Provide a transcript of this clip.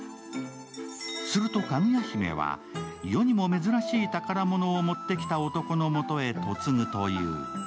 するとかぐや姫は世にも珍しい宝物を持ってきた男のもとへ嫁ぐという。